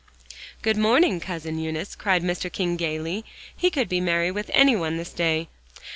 "Good morning, Cousin Eunice," cried Mr. King gaily. He could be merry with any one this day.